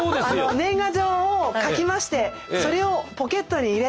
年賀状を書きましてそれをポケットに入れて。